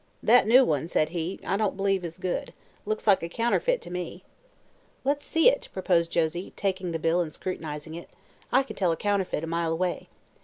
"That new one," said he, "I don't b'lieve is good. Looks like a counterfeit, to me." "Let's see it," proposed Josie, taking the bill in her hand and scrutinizing it. "I can tell a counterfeit a mile away.